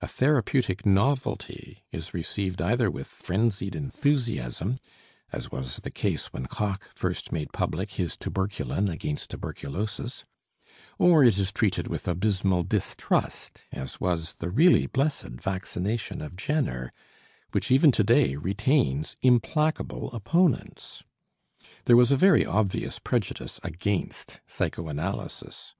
A therapeutic novelty is received either with frenzied enthusiasm, as was the case when Koch first made public his tuberculin against tuberculosis, or it is treated with abysmal distrust, as was the really blessed vaccination of Jenner, which even today retains implacable opponents. There was a very obvious prejudice against psychoanalysis.